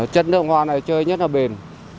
chất nước hoa này chơi nhất là bền